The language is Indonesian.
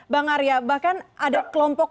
bang arya bahkan ada kelompok